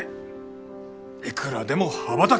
いくらでも羽ばたける！